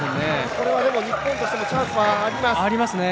これは日本としてもチャンスはあります。